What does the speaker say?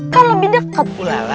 kan lebih deket